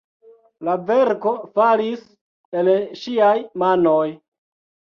La verko falis el ŝiaj manoj.